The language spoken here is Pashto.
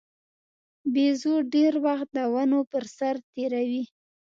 بیزو ډېر وخت د ونو پر سر تېروي.